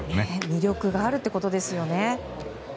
魅力があるということですよね。